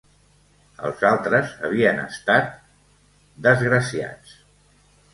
Els altres havien estat... desgraciats.